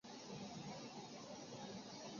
隐棘真缘吸虫为棘口科真缘属的动物。